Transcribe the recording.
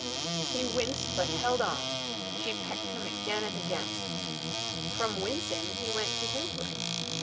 He winced but held on. She pecked him again and again. From wincing he went to whimpering.